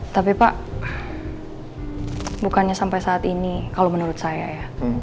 tapi pak bukannya sampai saat ini kalau menurut saya ya